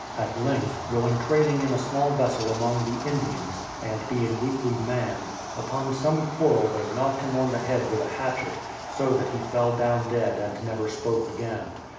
At length, going trading in a small vessel among the Indians, and being weakly manned, upon some quarrel they knocked him on the head with a hatchet, so that he fell down dead and never spoke again.